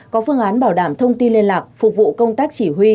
có phương án bảo đảm thông tin liên lạc phục vụ công tác chỉ huy